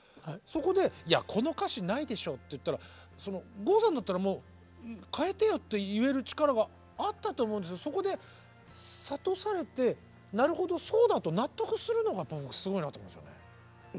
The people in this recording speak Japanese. そこでいやこの歌詞ないでしょって言ったら郷さんだったらもう変えてよって言える力があったと思うんですけどそこで諭されてなるほどそうだと納得するのがすごいなと思うんですよね。